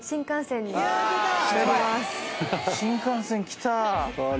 新幹線きた。